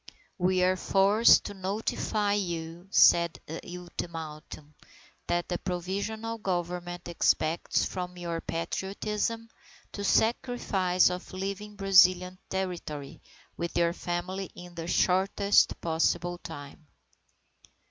"We are forced to notify you," said the ultimatum, "that the Provisional Government expects from your Patriotism the sacrifice of leaving Brazilian territory with your family in the shortest possible time."